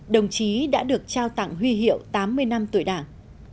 đồng chí đã được trao tặng huy hiệu tám mươi năm tuổi đảng